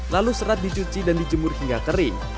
lalu serat dicuci dan dijemur hingga kering